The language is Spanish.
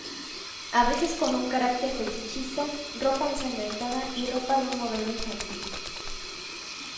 A veces con un carácter fetichista, ropa ensangrentada, y ropa de un modelo infantil.